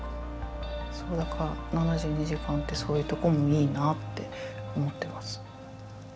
そうだから「７２時間」ってそういうとこもいいなって思ってます。